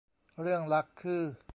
เรื่องหลักคือ